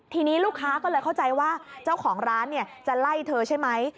ทีนี้ลูกค้าก็เลยเข้าใจว่าเจ้าของร้านจะไล่เธอใช่ไหม